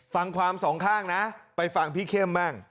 ฟังความสองข้างนะไปฟังพี่เข้มบ้าง